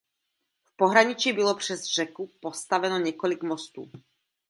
V pohraničí bylo přes řeku postaveno několik mostů.